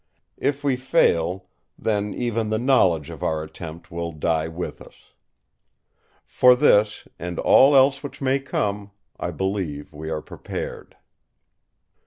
If we fail, then even the knowledge of our attempt will die with us. For this, and all else which may come, I believe we are prepared!"